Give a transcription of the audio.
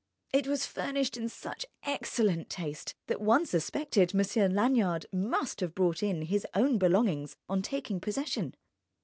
It was furnished in such excellent taste that one suspected Monsieur Lanyard must have brought in his own belongings on taking possession.